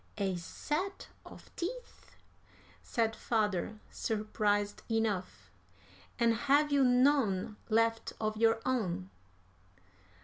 "A set of teeth!" said father, surprised enough. "And have you none left of your own?"